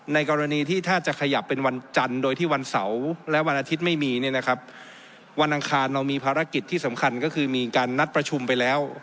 ในกรณีที่ถ้าจะขยับเป็นวันจันทร์โดยที่วันเสาร์และวันอาทิตย์ไม่มีเนี่ยนะครับวันอังคารเรามีภารกิจที่สำคัญก็คือมีการนัดประชุมไปแล้ว